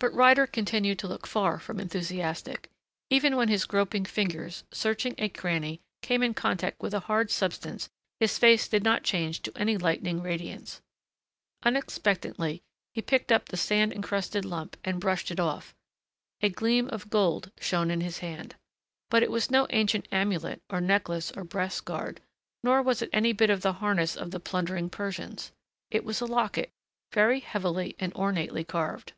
But Ryder continued to look far from enthusiastic. Even when his groping fingers, searching a cranny, came in contact with a hard substance his face did not change to any lightning radiance. Unexpectantly he picked up the sand encrusted lump and brushed it off. A gleam of gold shone in his hand. But it was no ancient amulet or necklace or breast guard nor was it any bit of the harness of the plundering Persians. It was a locket, very heavily and ornately carved.